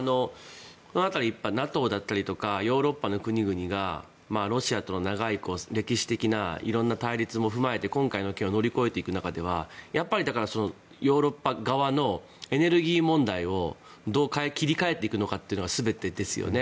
その辺りＮＡＴＯだったりとかヨーロッパの国々がロシアと長い歴史的な色んな対立も踏まえて今回の件を乗り越えていく中ではやっぱりヨーロッパ側のエネルギー問題をどう切り替えていくのかが全てですよね。